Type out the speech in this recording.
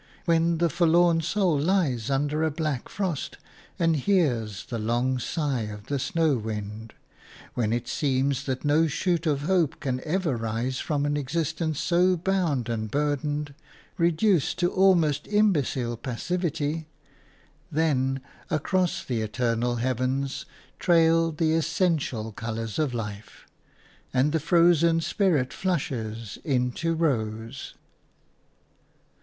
When the forlorn soul lies under a black frost and hears the long sigh of the snow wind; when it seems that no shoot of hope can ever rise from an existence so bound and burdened, reduced to almost imbecile passivity – then across the eternal heavens trail the essential colours of life, and the frozen spirit flushes into rose.